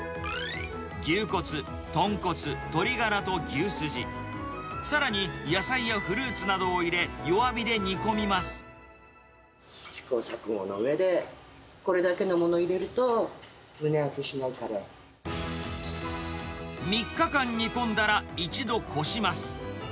牛骨、豚骨、鶏ガラと牛スジ、さらに野菜やフルーツなどを入れ、弱火で煮込み試行錯誤の上で、これだけのものを入れると、３日間煮込んだら、一度こします。